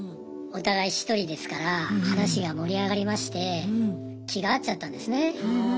お互い１人ですから話が盛り上がりまして気が合っちゃったんですね。